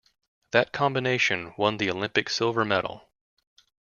That combination won the Olympic silver medal.